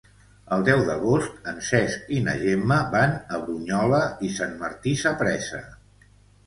El deu d'agost en Cesc i na Gemma van a Brunyola i Sant Martí Sapresa.